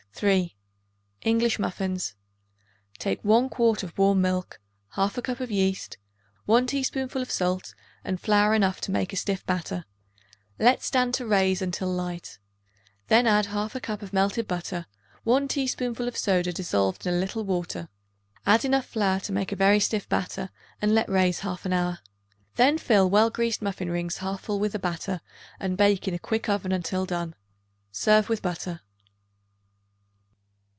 3. English Muffins. Take 1 quart of warm milk, 1/2 cup of yeast, 1 teaspoonful of salt and flour enough to make a stiff batter; let stand to raise until light. Then add 1/2 cup of melted butter, 1 teaspoonful of soda dissolved in a little water; add enough flour to make a very stiff batter and let raise half an hour. Then fill well greased muffin rings half full with the batter and bake in a quick oven until done. Serve with butter.